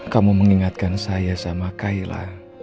kamu mengingatkan saya sama kayla